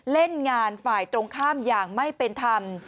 เล่นงานฝ่ายตรงข้ามอย่างไม่เป็นธรรม